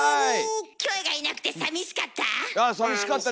キョエがいなくてさみしかった？